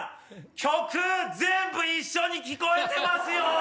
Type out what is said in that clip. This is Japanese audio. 曲全部一緒に聞こえてますよ